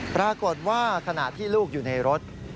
ปรากฏว่าขณะที่ลูกอยู่ในรถ